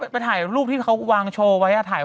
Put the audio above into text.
ไปถ่ายรูปที่เขาวางโชว์ไว้ถ่าย